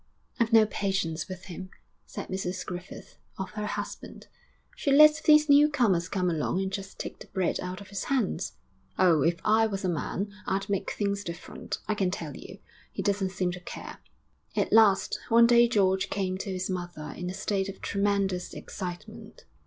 'I've no patience with him,' said Mrs Griffith, of her husband. 'He lets these newcomers come along and just take the bread out of his hands. Oh, if I was a man, I'd make things different, I can tell you! He doesn't seem to care.'... At last, one day George came to his mother in a state of tremendous excitement.